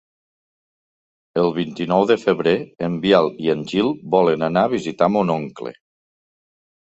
El vint-i-nou de febrer en Biel i en Gil volen anar a visitar mon oncle.